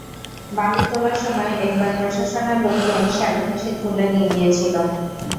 বালু তোলার সময় একবার প্রশাসনের লোকজন শ্যালো মেশিন তুলে নিয়ে গিয়েছিল।